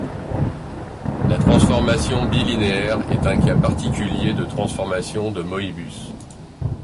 La transformation bilinéaire est un cas particulier de transformation de Möbius.